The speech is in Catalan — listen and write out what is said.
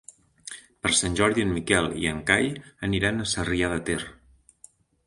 Per Sant Jordi en Miquel i en Cai aniran a Sarrià de Ter.